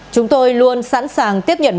chúng tôi luôn sẵn sàng tiếp nhận